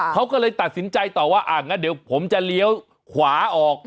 เขาก็เลยตัดสินใจต่อว่าอ่างั้นเดี๋ยวผมจะเลี้ยวขวาออก